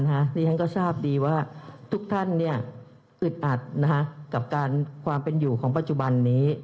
นี่ฉันก็ทราบดีว่าทุกท่านอึดอัดกับความเป็นอยู่ของปัจจุบันนี้